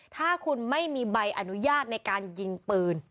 ถ้าคุณไม่มีใบอนุญาตในการยิงปืน